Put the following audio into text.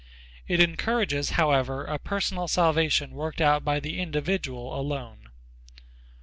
It encourages, however, a personal salvation worked out by the individual alone.